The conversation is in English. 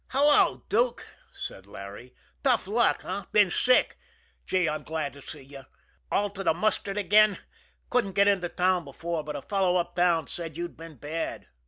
"Hullo, Dook!" said Larry. "Tough luck, eh? Been sick? Gee, I'm glad to see you! All to the mustard again? Couldn't get into town before, but a fellow uptown said you'd been bad."